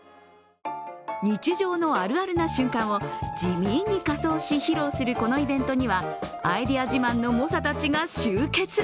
日常のあるあるな瞬間を地味に仮装し披露するこのイベントにはアイデア自慢の猛者たちが集結。